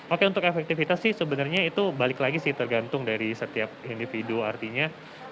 oke untuk efektivitas sih sebenarnya itu balik lagi sih tergantung dari setiap individu artinya